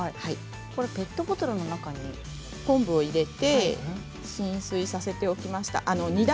ペットボトルの中に昆布を入れて浸水させておきました。